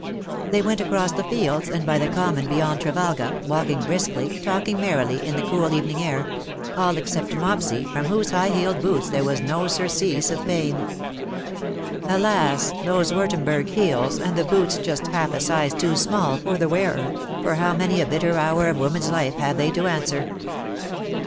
They went across the fields, and by the common beyond Trevalga — walking briskly, talking merrily, in the cool evening air ; all except Mopsy, from whose high heeled boots there was no surcease of pain. Alas ! those Wurtemburg heels, and the boots just half a size too small for the wearer, for how many a bitter hour of woman's life have they to answer